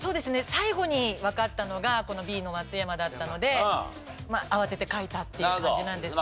最後にわかったのがこのＢの松山だったので慌てて書いたっていう感じなんですけど。